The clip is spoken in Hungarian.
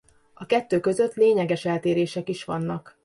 A kettő között lényeges eltérések is vannak.